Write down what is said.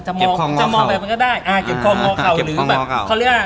จะมองไปก็ได้อ่าเก็บทรงงอกเขา